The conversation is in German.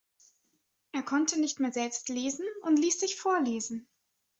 Er konnte nicht mehr selbst lesen und ließ sich vorlesen.